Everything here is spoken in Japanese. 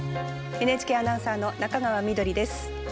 ＮＨＫアナウンサーの中川緑です。